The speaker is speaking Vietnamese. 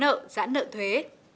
khoanh nợ giảm nợ thuế